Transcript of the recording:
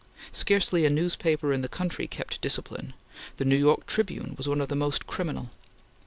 Scarcely a newspaper in the country kept discipline. The New York Tribune was one of the most criminal.